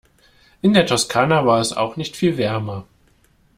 In der Toskana war es auch nicht viel wärmer.